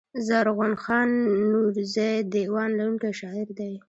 زرغون خان نورزى دېوان لرونکی شاعر دﺉ.